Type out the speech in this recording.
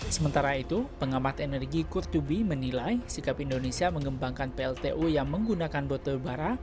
sementara itu pengamat energi kurtubi menilai sikap indonesia mengembangkan pltu yang menggunakan botol bara